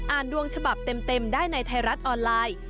ดวงฉบับเต็มได้ในไทยรัฐออนไลน์